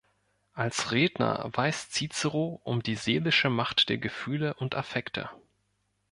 Als Redner weiß Cicero um die seelische Macht der Gefühle und Affekte.